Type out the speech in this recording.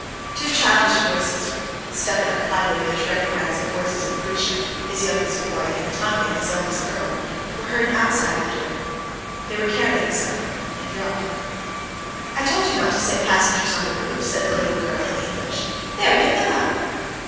Two childish voices (Stepan Arkadyevitch recognized the voices of Grisha, his youngest boy, and Tanya, his eldest girl) were heard outside the door. They were carrying something, and dropped it. "I told you not to sit passengers on the roof," said the little girl in English; "there, pick them up!"